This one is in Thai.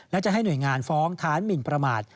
และจะให้หน่วยงานฟ้องฐานหมินประมาท